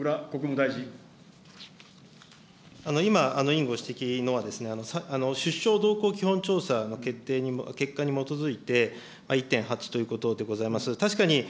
今、委員ご指摘なのは、出生動向基本調査の決定に、結果に基づいて、１．８ということでございます。